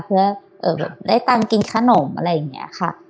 เพื่อได้ตังค์กินขนมอะไรอย่างนี้ค่ะ